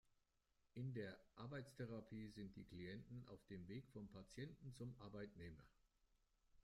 In der Arbeitstherapie sind die Klienten auf dem Weg vom Patienten zum Arbeitnehmer.